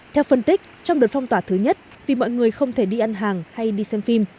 theo phân tích trong đợt phong tỏa thứ nhất vì mọi người không thể đi ăn hàng hay đi xem phim